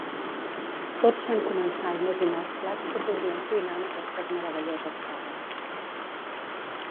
Tots van començar a imaginar els plats que podrien cuinar amb aquestes meravelloses faves